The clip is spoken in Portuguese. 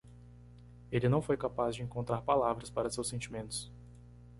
Ele não foi capaz de encontrar palavras para seus sentimentos.